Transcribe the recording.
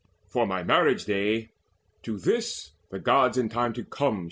For my marriage day To this the Gods in time to come shall see."